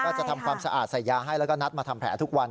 จะทำความสะอาดใส่ยาให้แล้วก็นัดมาทำแผลทุกวัน